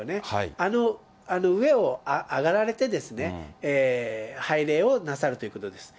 あの上を上がられて、拝礼をなさるということです。